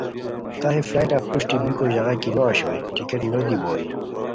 تہ ہے فلائٹا پروشٹی بیکو ژاغا کی نو اوشوئے ٹکٹ نو دی بوئے